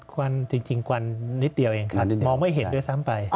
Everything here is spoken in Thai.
ควันจริงควันนิดเดียวเองมองไม่เห็นด้วยซ้ำไป